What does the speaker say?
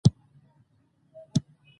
فرهنګ د شخړو د حل دودیزي لارې لري.